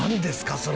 それ。